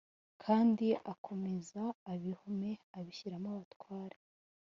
Kandi akomeza ibihome abishyiramo abatware